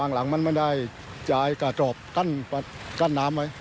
หลังมันไม่ได้จะให้กระจอบกั้นน้ำไว้